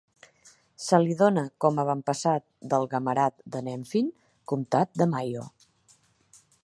Se li dóna com a avantpassat del Gamarad de Nephin, comtat de Mayo